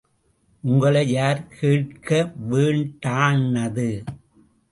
உங்களை யார் கேட்க வேண்டான்னது?